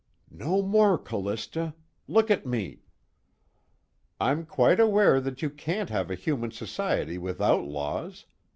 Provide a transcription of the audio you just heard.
No more, Callista! LOOK AT ME! "I'm quite aware you can't have a human society without laws.